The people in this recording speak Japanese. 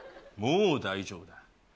もう大丈夫だ。